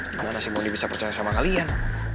gimana sih mondi bisa percaya sama kalian